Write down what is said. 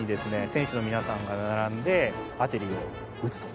選手の皆さんが並んでアーチェリーを撃つと。